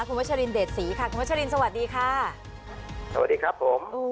คุณวัชรินเดชศรีค่ะคุณวัชรินสวัสดีค่ะสวัสดีครับผม